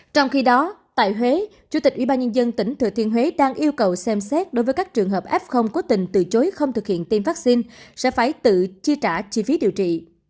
trong khi đó tại huế chủ tịch ubnd tỉnh thừa thiên huế đang yêu cầu xem xét đối với các trường hợp f cố tình từ chối không thực hiện tiêm vaccine sẽ phải tự chi trả chi phí điều trị